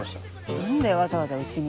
何でわざわざうちに？